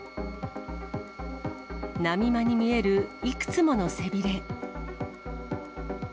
波間に見えるいくつもの背びれ。